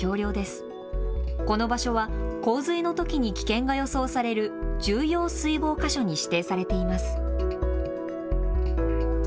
この場所は洪水のときに危険が予想される重要水防箇所に指定されています。